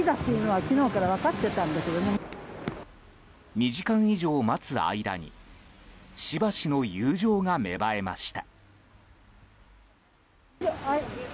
２時間以上待つ間にしばしの友情が芽生えました。